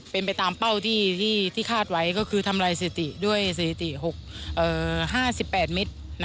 เป็นไปตามเป้าที่คาดไว้ก็คือทำลายสถิติด้วยสถิติ๕๘มิตร